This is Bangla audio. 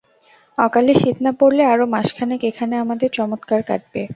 অকালে শীত না পড়লে আরও মাসখানেক এখানে আমাদের চমৎকার কাটবে।